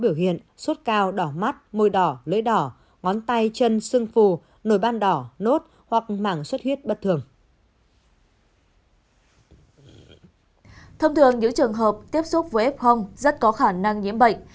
nhiều trường hợp tiếp xúc với f rất có khả năng nhiễm bệnh